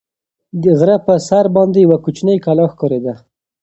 د غره په سر باندې یوه کوچنۍ کلا ښکارېده.